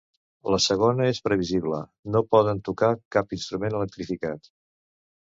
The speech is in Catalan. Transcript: La segona és previsible: no poden tocar cap instrument electrificat.